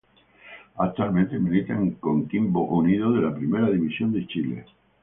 Actualmente milita en Coquimbo Unido de la Primera División de Chile.